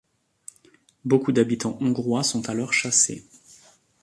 Beaucoup d'habitants hongrois sont alors chassés.